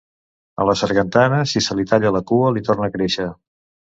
A la sargantana, si se li talla la cua, li torna a créixer.